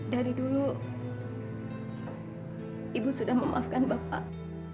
dari dulu ibu sudah memaafkan bapak